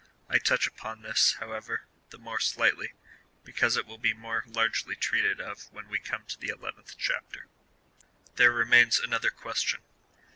I touch upon this, however, the more slightly, because it will be more largely treated of when we come to the 11th Chapter. There remains another question.